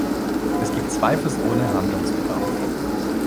Es gibt zweifelsohne Handlungsbedarf.